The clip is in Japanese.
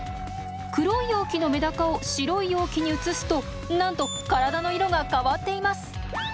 黒い容器のメダカを白い容器に移すとなんと体の色が変わっています。